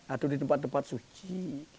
atau di tempat tempat suci